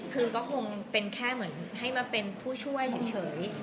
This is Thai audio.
คือก็ก็คงแค่ให้มาเป็นผู้ช่วยเฉย